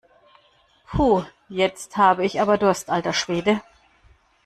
Puh, jetzt habe ich aber Durst, alter Schwede!